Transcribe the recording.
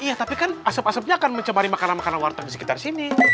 iya tapi kan asap asapnya akan mencemari makanan makanan warteg di sekitar sini